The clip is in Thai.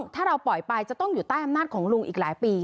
ถ้าเราปล่อยไปจะต้องอยู่ใต้อำนาจของลุงอีกหลายปี